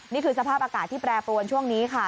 นี่คือสภาพอากาศที่แปรปรวนช่วงนี้ค่ะ